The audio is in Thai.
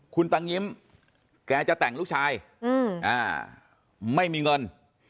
คุณตังิ้มแกจะแต่งลูกชายไม่มีเงิน